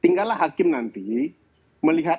tinggallah hakim nanti melihat